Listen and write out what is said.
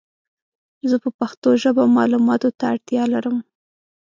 زه په پښتو ژبه مالوماتو ته اړتیا لرم